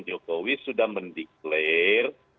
jokowi sudah mendeklarasi